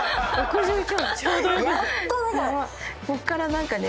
ここから何かね。